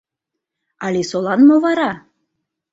Алисолан мо вара?